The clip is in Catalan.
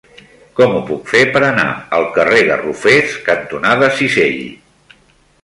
Com ho puc fer per anar al carrer Garrofers cantonada Cisell?